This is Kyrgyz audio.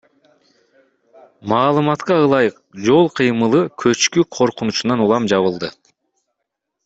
Маалыматка ылайык, жол кыймылы көчкү коркунучунан улам жабылды.